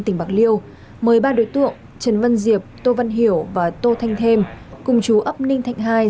tỉnh bạc liêu mời ba đối tượng trần văn diệp tô văn hiểu và tô thanh thêm cùng chú ấp ninh thạnh hai